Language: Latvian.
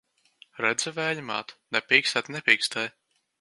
Redzi, Vēja māt! Ne pīkstēt nepīkstēju!